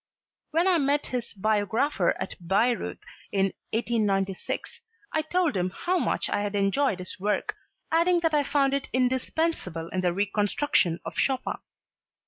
When I met this biographer at Bayreuth in 1896, I told him how much I had enjoyed his work, adding that I found it indispensable in the re construction of Chopin.